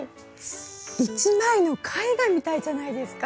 一枚の絵画みたいじゃないですか？